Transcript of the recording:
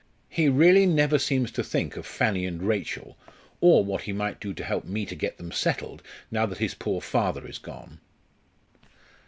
He really never seems to think of Fanny and Rachel, or what he might do to help me to get them settled now that his poor father is gone."